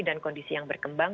dan kondisi yang berkembang